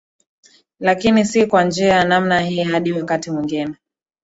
lakini si kwa njia ya namna hii hadi wakati mwingine